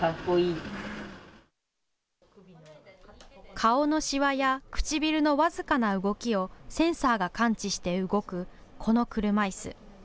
顔のしわや唇の僅かな動きをセンサーが感知して動くこの車いす。